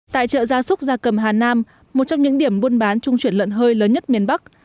tại chợ gia súc gia cầm hà nam một trong những điểm buôn bán trung chuyển lợn hơi lớn nhất miền bắc